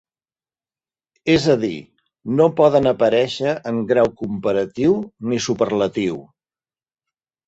És a dir, no poden aparèixer en grau comparatiu ni superlatiu.